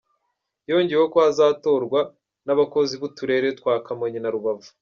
Yongeyeho ko hazatorwa n’abokozi b’uturere twa Kamonyi na Rubavu.